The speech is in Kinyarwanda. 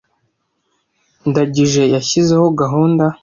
Ndagije yashyizeho gahunda.